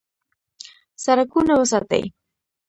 سړکونه وساتئ